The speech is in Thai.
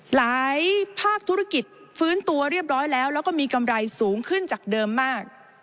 ภาคธุรกิจฟื้นตัวเรียบร้อยแล้วแล้วก็มีกำไรสูงขึ้นจากเดิมมาก